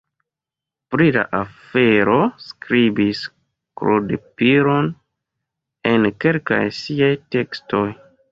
Pri la afero skribis Claude Piron en kelkaj siaj tekstoj.